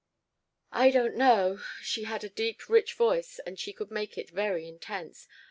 "I don't know." She had a deep rich voice and she could make it very intense.